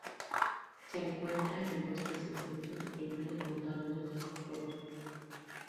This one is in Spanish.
Se encuentra en bosques densos primarios montañosos y costeros.